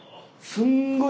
すんごい！